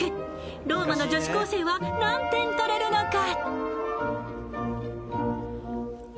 ローマの女子高生は何点とれるのか？